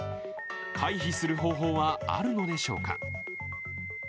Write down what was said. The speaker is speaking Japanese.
回避する方法はあるのでしょうか。